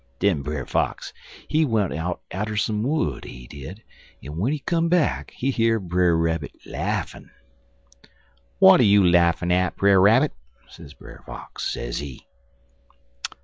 Den Brer Fox, he went out atter some wood, he did, en w'en he come back he hear Brer Rabbit laughin'. "'W'at you laughin' at, Brer Rabbit?' sez Brer Fox, sezee.